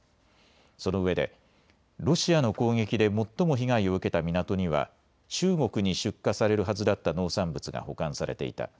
そのうえでロシアの攻撃で最も被害を受けた港には中国に出荷されるはずだった農産物が保管されていた。